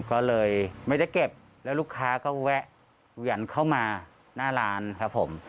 ก็เลยไม่ได้เก็บแล้วลูกค้าก็แวะเวียนเข้ามาหน้าร้านครับผม